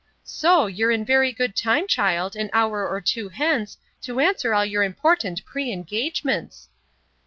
—'So, you're in very good time, child, an hour or two hence, to answer all your important pre engagements!